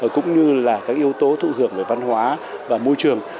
cũng như là các yếu tố thụ hưởng về văn hóa và môi trường